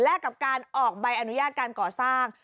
และกับการออกใบอนุญาตการก่อสร้าง